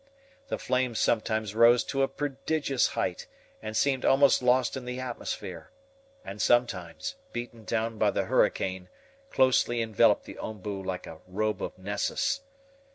The flames sometimes rose to a prodigious height, and seemed almost lost in the atmosphere, and sometimes, beaten down by the hurricane, closely enveloped the OMBU like a robe of Nessus.